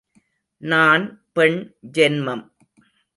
நான் பெண் ஜென்மம்.